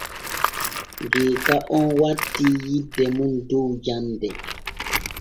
Geeka on wattii yidde mum dow jande.